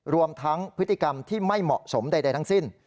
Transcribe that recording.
รวมทั้งพฤติกรรมที่ไม่เหมาะสมใดทั้งสิ้น